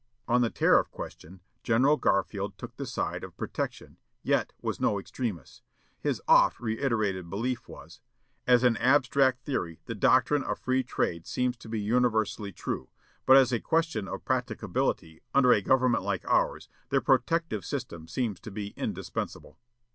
On the tariff question, General Garfield took the side of protection, yet was no extremist. His oft reiterated belief was, "As an abstract theory, the doctrine of free trade seems to be universally true, but as a question of practicability, under a government like ours, the protective system seems to be indispensable."